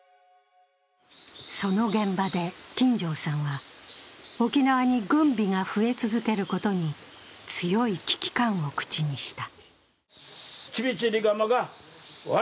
その現場で金城さんは沖縄に軍備が増え続けることに強い危機感を口にした。